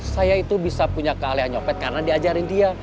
saya itu bisa punya keahlian nyopet karena diajarin dia